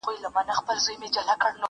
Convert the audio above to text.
ګل د ګلاب بوی د سنځلي٫